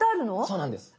そうなんです。